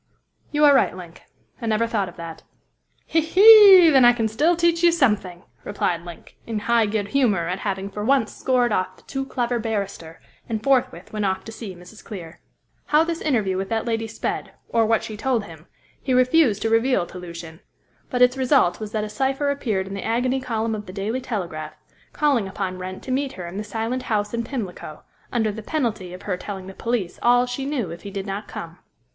"You are right, Link. I never thought of that." "He! he! Then I can still teach you something," replied Link, in high good humour at having for once scored off the too clever barrister, and forthwith went off to see Mrs. Clear. How this interview with that lady sped, or what she told him, he refused to reveal to Lucian; but its result was that a cypher appeared in the agony column of the Daily Telegraph, calling upon Wrent to meet her in the Silent House in Pimlico, under the penalty of her telling the police all she knew if he did not come.